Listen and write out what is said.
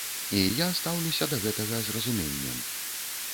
І я стаўлюся да гэтага з разуменнем.